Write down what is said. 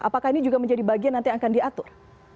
apakah ini juga menjadi bagian nanti akan diatur